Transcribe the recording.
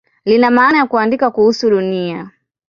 Lina maana ya "kuandika kuhusu Dunia".